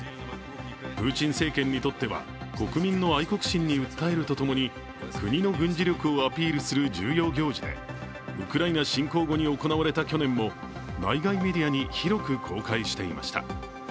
プーチン政権にとっては国民の愛国心に訴えるとともに国の軍事力をアピールする重要行事で、ウクライナ侵攻後に行われた去年も内外メディアに広く公開していました。